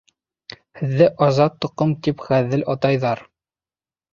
— Һеҙҙе Азат Тоҡом тип ғәҙел атайҙар!